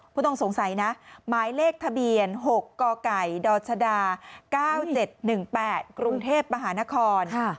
ผู้ต้องสงสัยนะหมายเลขทะเบียน๖กกดชด๙๗๑๘กรุงเทพมหานคร